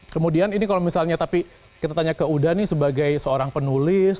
kemudian ini kalau misalnya tapi kita tanya ke uda nih sebagai seorang penulis